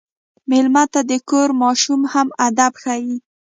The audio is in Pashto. مېلمه ته د کور ماشوم هم ادب ښيي.